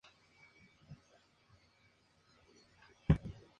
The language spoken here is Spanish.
Sus Artistas favoritos son Joan Miró y Pablo Picasso.